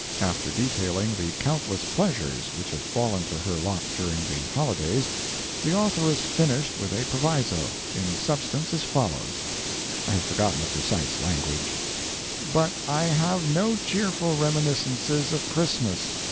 After detailing the countless pleasures which had fallen to her lot during the holidays, the authoress finished with a proviso, in substance as follows—I have forgotten the precise language: "But I have no cheerful reminiscences of Christmas.